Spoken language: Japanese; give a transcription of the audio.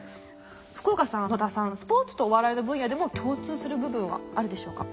福岡さん野田さんスポーツとお笑いの分野でも共通する部分はあるでしょうか。